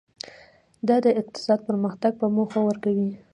دا د اقتصادي پرمختګ په موخه ورکوي.